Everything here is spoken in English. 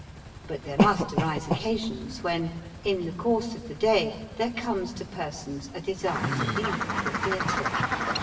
But there must arise occasions when, in the course of the day, there comes to persons a desire to leave the theatre.